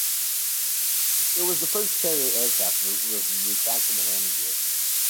It was the first carrier aircraft with retractable landing gear.